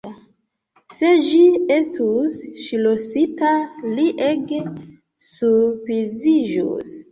Se ĝi estus ŝlosita, li ege surpriziĝus.